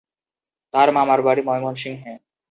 তার মামার বাড়ি ময়মনসিংহে।